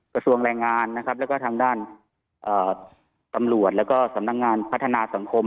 กระทรวงแรงงานนะครับแล้วก็ทางด้านตำรวจแล้วก็สำนักงานพัฒนาสังคม